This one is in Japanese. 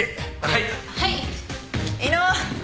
はい。